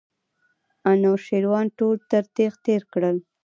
انوشیروان ټول تر تېغ تېر کړل.